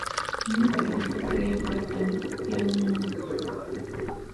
Ñuqa kaywatam yanuu.